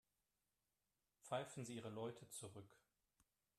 Pfeifen Sie Ihre Leute zurück.